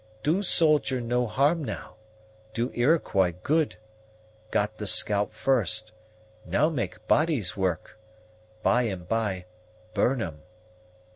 "Do soldier no harm now; do Iroquois good; got the scalp first; now make bodies work. By and by, burn 'em."